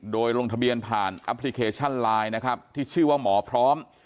โดยลงทะเบียนผ่านแอปพลิเคชันไลน์นะครับที่ชื่อว่าหมอพร้อม